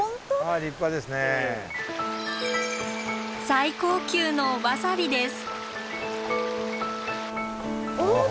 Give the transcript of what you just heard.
最高級のわさびです。